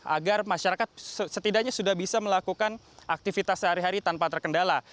agar masyarakat setidaknya sudah bisa melakukan aktivitas sehari hari tanpa terkendala